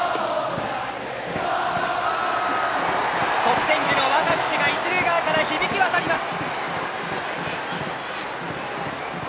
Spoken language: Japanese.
得点時の「若き血」が一塁側から響き渡ります。